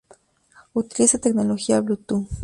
Utiliza tecnología Bluetooth.